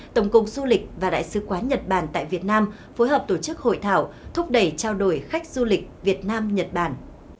tổng cục du lịch và đại sứ quán nhật bản tại việt nam phối hợp tổ chức hội thảo thúc đẩy trao đổi khách du lịch việt nam nhật bản